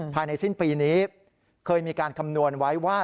ภายในสิ้นปีนี้เคยมีการคำนวณไว้ว่า